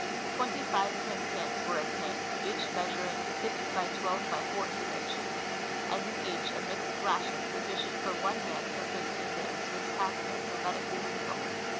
Twenty five tin cans were obtained, each measuring 6 x 12 x 14 inches, and in each a mixed ration sufficient for one man for fifteen days was packed and hermetically sealed.